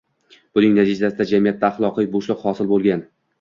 buning natijasida jamiyatda ahloqiy bo’shliq hosil bo’lgan.